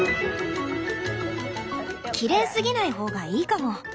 きれいすぎない方がいいかも。